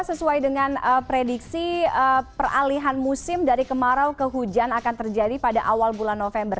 sesuai dengan prediksi peralihan musim dari kemarau ke hujan akan terjadi pada awal bulan november